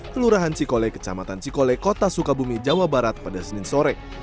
kelurahan cikole kecamatan cikole kota sukabumi jawa barat pada senin sore